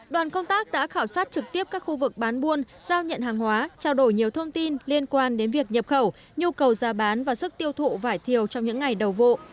đoàn công tác đã khảo sát trực tiếp các khu vực bán buôn giao nhận hàng hóa trao đổi nhiều thông tin liên quan đến việc nhập khẩu nhu cầu ra bán và sức tiêu thụ vải thiều trong những ngày đầu vộ